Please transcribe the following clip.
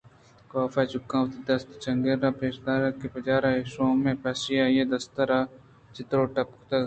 کافءَ چُکاں وتی دست ءِ چانکُر پیش داشت اَنت کہ بچار اے شومیں پِشّی ءَ آئی ءِ دست ءَ را چتور ٹپی کُتگ